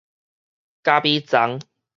咖啡欉